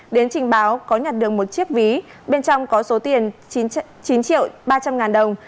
đến trình báo có nhặt được một chiếc ví bên trong có số tiền chín triệu ba trăm linh ngàn đồng